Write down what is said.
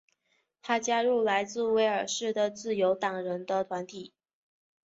他加入来自威尔士的自由党人的团体。